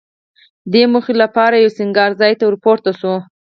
دې موخې لپاره یوه سینګار ځای ته ورپورته شوه.